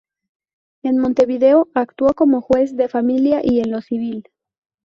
En Montevideo actuó como juez de Familia y en lo Civil.